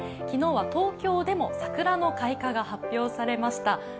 昨日は東京でも桜の開花が発表されました。